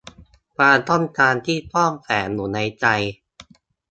ความต้องการที่ซ่อนแฝงอยู่ในใจ